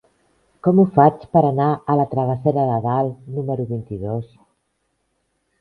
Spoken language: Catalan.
Com ho faig per anar a la travessera de Dalt número vint-i-dos?